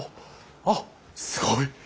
あっすごい！